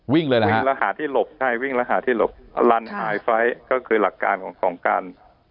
เลยนะวิ่งแล้วหาที่หลบใช่วิ่งแล้วหาที่หลบลันหายไปก็คือหลักการของสงการ